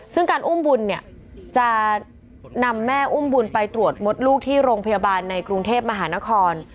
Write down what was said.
ซึ่งการอุ้มบุญเนี่ยจะนำแม่อุ้มบุญไปตรวจมดลูกที่โรงพยาบาลในกรุงเทพมหานคร